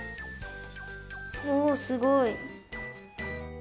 おすごい！